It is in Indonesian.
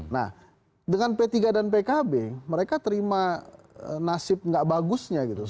nah dengan p tiga dan pkb mereka terima nasib gak bagusnya gitu